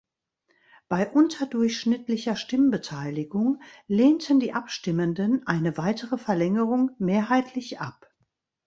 Bei unterdurchschnittlicher Stimmbeteiligung lehnten die Abstimmenden eine weitere Verlängerung mehrheitlich ab.